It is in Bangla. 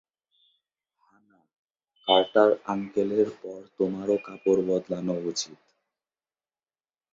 হা-না, কার্টার আঙ্কেলের পর তোমারও কাপড় বদলানো উচিত।